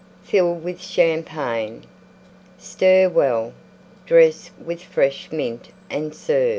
Fill with Champagne. Stir well; dress with fresh Mint and serve.